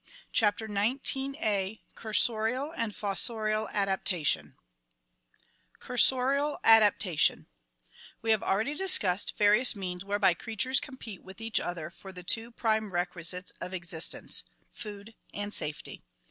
CHAPTER XIX Cursorial and Fossorial Adaptation cursorial adaptation We have already discussed various means whereby creatures compete with each other for the two prime requisites of existence — food and safety.